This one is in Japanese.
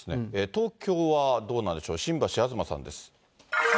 東京はどうなんでしょう、新橋、東さんです。